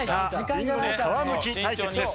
リンゴの皮むき対決です。